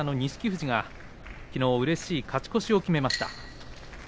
富士がきのううれしい勝ち越しを決めました。